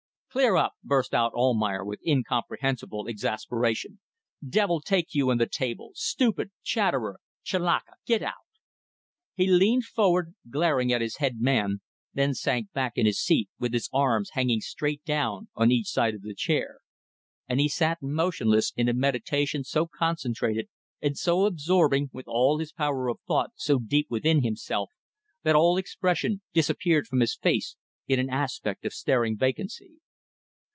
"Clear up!" burst out Almayer, with incomprehensible exasperation. "Devil take you and the table. Stupid! Chatterer! Chelakka! Get out!" He leaned forward, glaring at his head man, then sank back in his seat with his arms hanging straight down on each side of the chair. And he sat motionless in a meditation so concentrated and so absorbing, with all his power of thought so deep within himself, that all expression disappeared from his face in an aspect of staring vacancy.